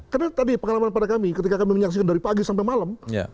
karena tadi pengalaman pada kami ketika kami menyaksikan dari pagi sampai malam